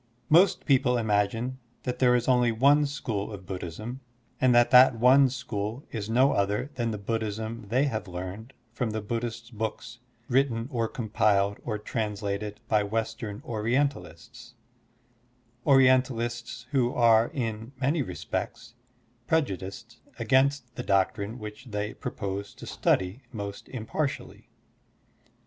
Most people imagine that there is only one school of Buddhism and that that one school is no other than the Buddhism they have learned from the Buddhist books written or compiled or translated by Western Orientalists — Orientalists who are in many respects prejudiced against the doctrine which they propose to study most impartially.